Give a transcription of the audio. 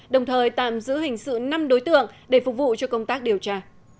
đồng thời tạm giữ hình sự năm đối tượng để phục vụ cho công tác điều tra